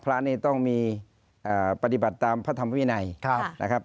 พระนี่ต้องมีปฏิบัติตามพระธรรมวินัยนะครับ